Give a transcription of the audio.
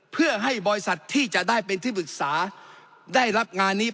เพื่อให้บริษัทที่จะได้เป็นที่ปรึกษาได้รับงานนี้